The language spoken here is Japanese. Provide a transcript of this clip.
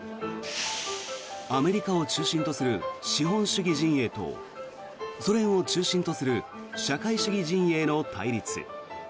アメリカを中心とする資本主義陣営とソ連を中心とする社会主義陣営の対立。